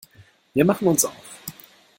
Wir machen uns auf.